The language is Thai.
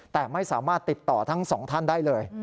แต่ไม่สามารถติดต่อทั้งสองท่านได้เลย